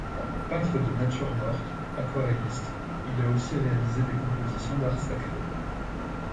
Peintre de natures mortes, aquarelliste, il a aussi réalisé des compositions d'art sacré.